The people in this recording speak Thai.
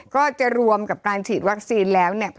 ก็จะรวมกับการฉีดวัคซีนแล้วเนี่ย